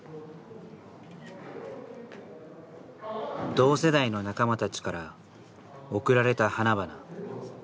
同世代の仲間たちから贈られた花々。